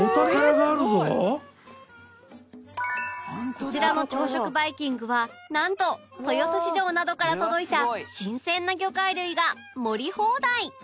こちらの朝食バイキングはなんと豊洲市場などから届いた新鮮な魚介類が盛り放題